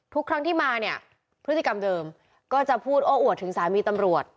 ทุกครั้งที่มาเนี่ยพฤติกรรมเดิมก็จะพูดโอ้อวดถึงสามีตำรวจ